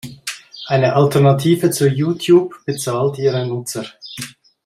Eine Alternative zu YouTube bezahlt Ihre Nutzer.